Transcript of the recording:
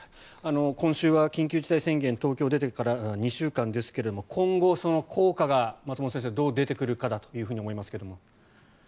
今週は緊急事態宣言が東京に出てから２週間ですが今後、効果がどう出てくるかだと思いますが。